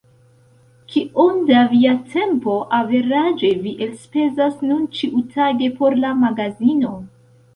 Kiom da via tempo averaĝe vi elspezas nun ĉiutage por la magazino?